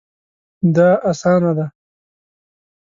دا اسانه ده